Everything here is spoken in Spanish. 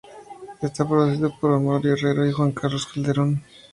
Está producido por Honorio Herrero y Juan Carlos Calderón.